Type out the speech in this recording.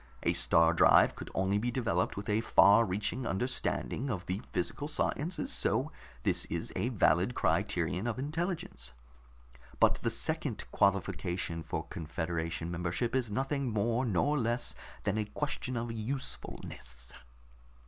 A star drive could only be developed with a far reaching understanding of the physical sciences, so this is a valid criterion of intelligence. But the second qualification for confederation membership is nothing more nor less than a question of usefulness."